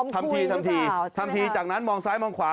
ฟอร์มคุยหรือเปล่าใช่ไหมครับทำทีจากนั้นมองซ้ายมองขวา